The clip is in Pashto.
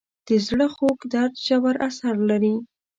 د زړه خوږ درد ژور اثر لري.